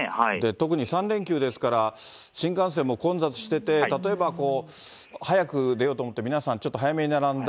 特に３連休ですから、新幹線も混雑してて、例えば早く出ようと思って、皆さん、ちょっと早めに並んだ。